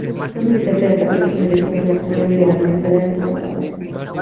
Fue militante del Partido Socialista Obrero Español y de la Unión General de Trabajadores.